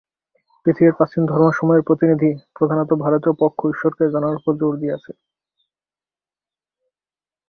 পৃথিবীর প্রাচীন ধর্মসমূহের প্রতিনিধি, প্রধানত ভারতীয় পক্ষ ঈশ্বরকে জানার উপর জোর দিয়াছে।